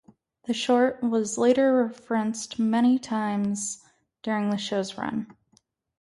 The short was later referenced many times during the show's run.